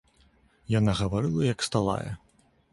Яна гаварыла, як сталая.